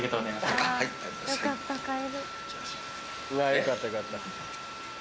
よかったよかった。